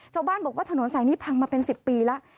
ชาวบ้านบอกว่าถนนสายนี้พังมาเป็น๑๐ปีแล้ว